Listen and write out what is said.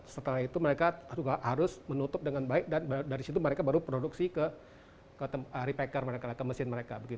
setelah itu mereka juga harus menutup dengan baik dan dari situ mereka baru produksi ke repacker mereka ke mesin mereka